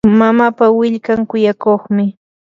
mamapa willkan kuyakuqmi.